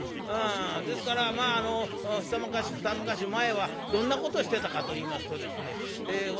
ですから一昔二昔前はどんなことをしてたかといいますとですね